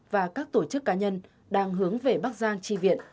và các tổ chức cá nhân đang hướng về bắc giang chi viện